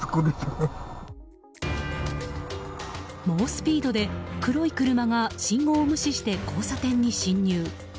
猛スピードで黒い車が信号を無視して交差点に進入。